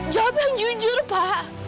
jawab yang jujur pak